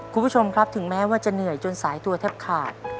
คุณผู้ชมครับถึงแม้ว่าจะเหนื่อยจนสายตัวแทบขาด